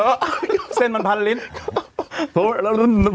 พี่ติเขาเป็นนักขาวุโสน้าน้องหนุ่ม